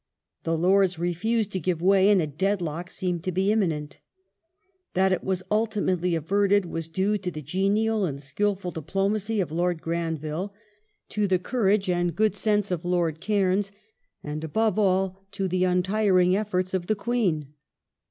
The Lords refused to give way, and a deadlock seemed to be im minent. That it was ultimately averted was due to the genial and skilful diplomacy of Lord Granville, to the courage and good sense of Lord Cairns, and above all to the untiring efforts of the Queen.